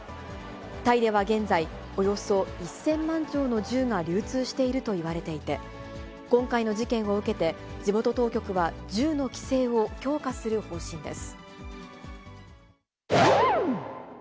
タイでは現在、およそ１０００万丁の銃が流通しているといわれていて、今回の事件を受けて、地元当局は銃の規制を強化する方針です。